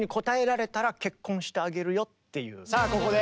さあここで。